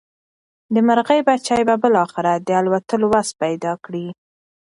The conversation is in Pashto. د مرغۍ بچي به بالاخره د الوتلو وس پیدا کړي.